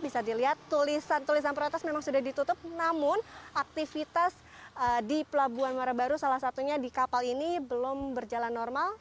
bisa dilihat tulisan tulisan protes memang sudah ditutup namun aktivitas di pelabuhan muara baru salah satunya di kapal ini belum berjalan normal